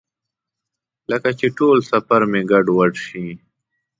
لکه چې ټول سفر مې ګډوډ شي.